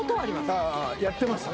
やってました。